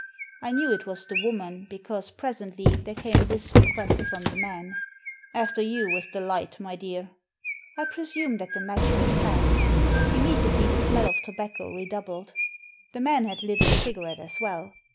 I knew it was the woman because presently there came this request from the man, " After you with the light, my dear." I presume that the match was passed. Immediately the smell of tobacco redoubled. The man had lit a cigarette as well.